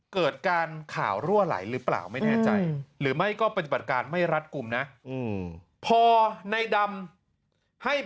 ก็นัดส่งยาไอซ์กันใช่ไหม